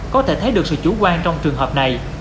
có thể thấy được sự chủ quan trong trường hợp này